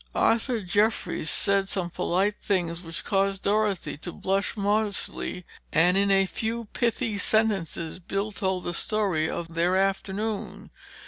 Arthur Jeffries said some polite things which caused Dorothy to blush modestly, and in a few pithy sentences Bill told the story of their afternoon.